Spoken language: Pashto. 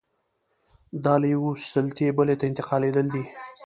دا له یوې سلطې بلې ته انتقالېدل دي.